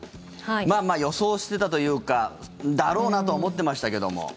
まあ、予想してたというかだろうなとは思ってましたけども。